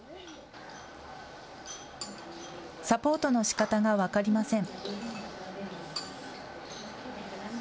サポートのしかたが分かりません。